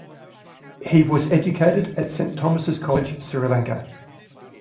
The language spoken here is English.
He was educated at Saint Thomas' College, Sri Lanka.